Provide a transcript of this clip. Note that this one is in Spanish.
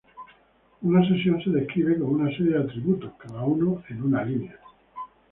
Una sesión se describe con una serie de atributos, cada uno en una línea.